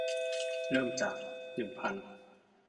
เริ่มจาก หนึ่งพัน